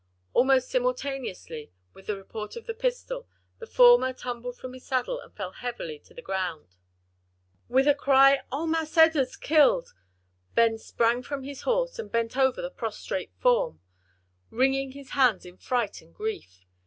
Almost simultaneously with the report of the pistol the former tumbled from the saddle and fell heavily to the ground. With a cry, "O, Mass Edard's killed!" Ben sprang from his horse and bent over the prostrate form, wringing his hands in fright and grief.